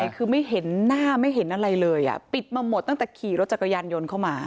คือไม่เห็นหน้าไม่เห็นอะไรเลยอ่ะปิดมาหมดตั้งแต่ขี่รถจักรยานยนต์เข้ามา